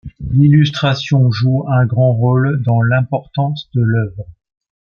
L'illustration joue un grand rôle dans l'importance de l'œuvre.